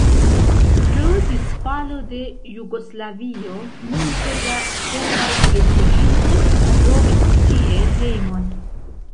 Pro disfalo de Jugoslavio multe da serbaj rifuĝintoj trovis tie hejmon.